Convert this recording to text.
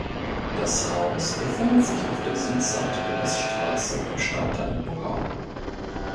Das Haus befindet sich auf der Südseite der Weststraße im Stadtteil Buckau.